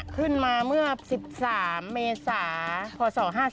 ขึ้นมาเมื่อ๑๓เมษาพศ๕๔